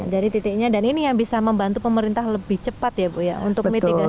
jadi titiknya dan ini yang bisa membantu pemerintah lebih cepat ya bu ya untuk mitigasi bencana